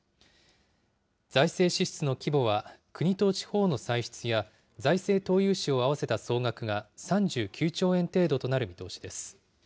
財政支出の規模は、国と地方の歳出や財政投融資を合わせた総額が３９兆円程度となる見通しです。